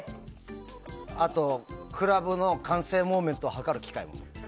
あと、クラブの慣性モーメントを測る機械も。